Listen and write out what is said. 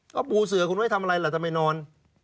ก็ปูเสือคุณไว้ทำอะไรล่ะทำไมนอน